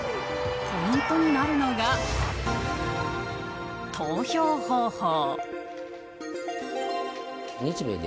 ポイントになるのが投票方法。